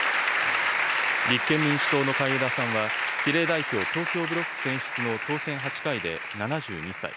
立憲民主党の海江田さんは、比例代表東京ブロック選出の当選８回で７２歳。